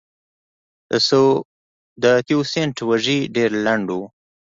د تیوسینټ وږی ډېر لنډ و